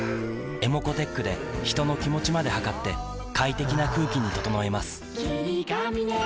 ｅｍｏｃｏーｔｅｃｈで人の気持ちまで測って快適な空気に整えます